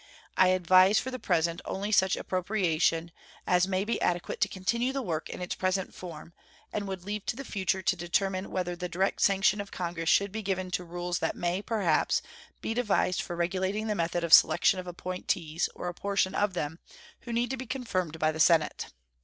I advise for the present only such appropriation as may be adequate to continue the work in its present form, and would leave to the future to determine whether the direct sanction of Congress should be given to rules that may, perhaps, be devised for regulating the method of selection of appointees, or a portion of them, who need to be confirmed by the Senate.